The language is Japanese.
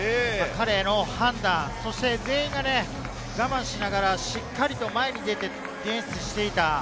彼の判断、そして全員が我慢しながら、しっかりと前に出て、ディフェンスしていた。